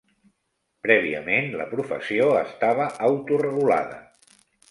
Prèviament la professió estava autoregulada.